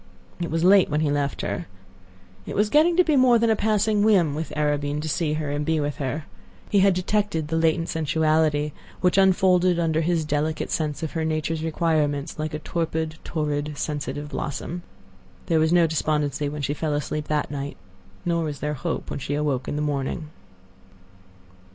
It was late when he left her. It was getting to be more than a passing whim with Arobin to see her and be with her. He had detected the latent sensuality, which unfolded under his delicate sense of her nature's requirements like a torpid, torrid, sensitive blossom. There was no despondency when she fell asleep that night; nor was there hope when she awoke in the morning.